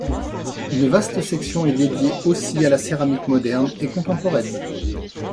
Une vaste section est dédiée aussi à la céramique moderne et contemporaine.